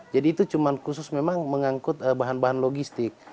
jadi itu cuma khusus memang mengangkut bahan bahan logistik